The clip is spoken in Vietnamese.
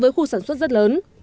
với khu sản xuất rất lớn